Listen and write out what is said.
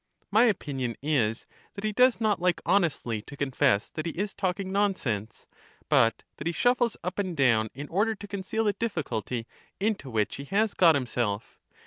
My opinion is that he does not like honestly to confess that he is talking nonsense, but that he 112 LACHES shuffles up and down in order to conceal the difficulty into which he has got himself.